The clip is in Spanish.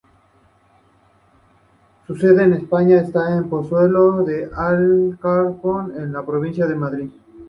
Su sede en España está en Pozuelo de Alarcón, en la provincia de Madrid.